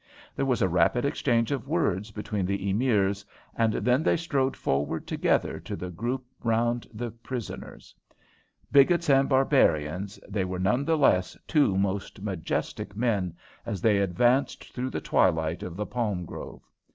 There was a rapid exchange of words between the Emirs, and then they strode forward together to the group around the prisoners. Bigots and barbarians, they were none the less two most majestic men, as they advanced through the twilight of the palm grove.